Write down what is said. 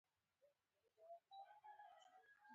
مرکه باید یوازې د یوټوبر ګټه نه وي.